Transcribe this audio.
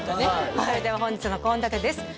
それでは本日の献立です